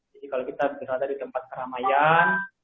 jadi kalau kita berada di tempat keramaian